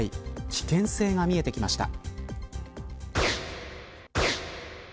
危険性が見えてきました。